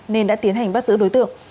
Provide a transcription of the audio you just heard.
nên đã tiến hành bắt giữ đối tượng